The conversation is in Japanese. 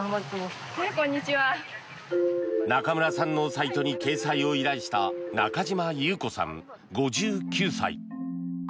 中村さんのサイトに掲載を依頼した中島裕子さん、５９歳。